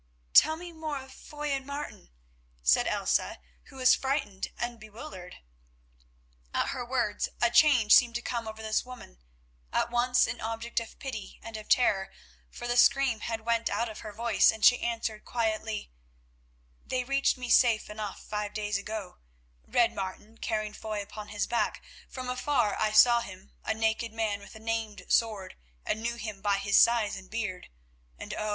"Tell me more of Foy and Martin," said Elsa, who was frightened and bewildered. At her words a change seemed to come over this woman, at once an object of pity and of terror, for the scream went out of her voice and she answered quietly, "They reached me safe enough five days ago, Red Martin carrying Foy upon his back. From afar I saw him, a naked man with a named sword, and knew him by his size and beard. And oh!